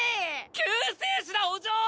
救世主だお嬢！